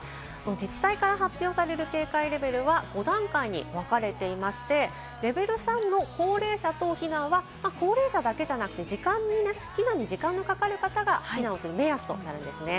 自治体から発表される警戒レベルは５段階にわかれていまして、レベル３の高齢者等避難は高齢者だけじゃなくて、避難に時間のかかる方が避難する目安となるんですね。